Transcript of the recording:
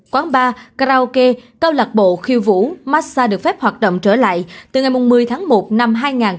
quán bar karaoke cao lạc bộ khiêu vũ massage được phép hoạt động trở lại từ ngày một mươi tháng một năm hai nghìn hai mươi hai